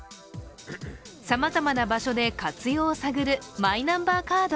さまざまな場所で活用を探るマイナンバーカード。